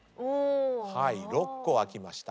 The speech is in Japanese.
６個開きました。